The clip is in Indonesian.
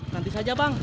nanti saja bang